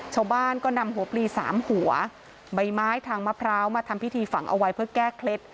ชาวบ้านก็นำหัวปลีสามหัวใบไม้ทางมะพร้าวมาทำพิธีฝังเอาไว้เพื่อแก้เคล็ด